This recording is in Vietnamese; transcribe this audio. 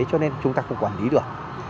cho nên chúng ta không quản lý được